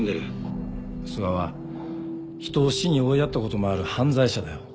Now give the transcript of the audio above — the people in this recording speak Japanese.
諏訪は人を死に追いやったこともある犯罪者だよ。